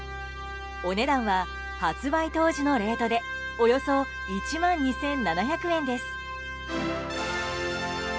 お値段は発売当時のレートでおよそ１万２７００円です。